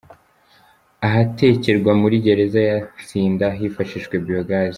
Ahatekerwa muri Gereza ya Nsinda hifashishijwe Biogaz.